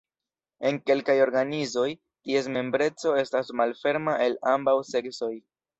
En kelkaj organizoj, ties membreco estas malferma al ambaŭ seksoj.